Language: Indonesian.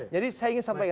jadi saya ingin sampaikan